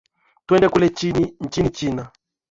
twende kule nchini china